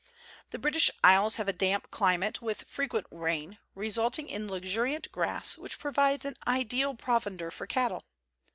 The British Isles have a damp climate, with frequent rain, resulting in luxuriant grass which provides an ideal provender for cattle.